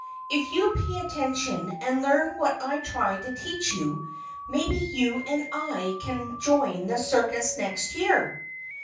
If you pay attention and learn what I try to teach you maybe you and I can join the circus next year."